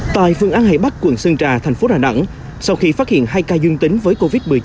tại phường an hải bắc quận sơn trà thành phố đà nẵng sau khi phát hiện hai ca dương tính với covid một mươi chín